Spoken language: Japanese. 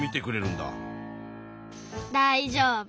だいじょうぶ。